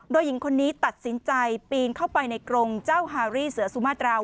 โดยหญิงคนนี้ตัดสินใจปีนเข้าไปในกรงเจ้าฮารี่เสือสุมาตราว